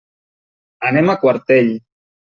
Anem a Quartell.